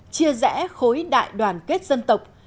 chia rẽ khối đại đoàn kết dân tộc